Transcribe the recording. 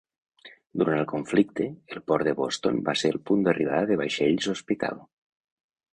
Durant el conflicte, el port de Boston va ser el punt d'arribada de vaixells hospital.